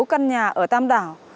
căn nhà ở tam đảo